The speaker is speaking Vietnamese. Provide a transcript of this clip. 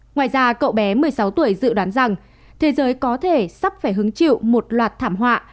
ngoài ra cậu bé một mươi sáu tuổi dự đoán rằng thế giới có thể sắp phải hứng chịu một loạt thảm họa